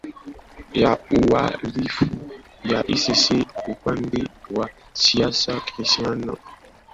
ya uhalifu ya icc upande wa siasa christian wenawesa huyu